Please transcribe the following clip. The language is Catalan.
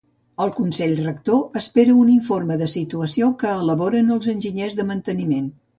El consell rector espera un informe de situació que elaboren els enginyers de manteniment.